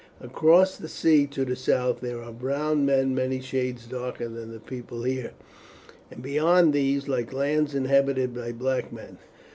"Across the sea to the south there are brown men many shades darker than the people here, and beyond these like lands inhabited by black men.